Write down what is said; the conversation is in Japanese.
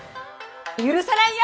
許さないよ！